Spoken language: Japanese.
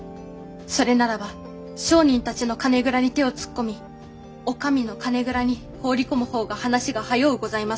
それならば商人たちの金蔵に手を突っ込みお上の金蔵に放り込む方が話が早うございます。